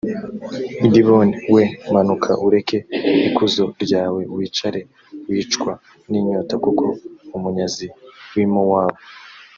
i dibonil we manuka ureke ikuzo ryawe wicare wicwa n inyota kuko umunyazi w i mowabu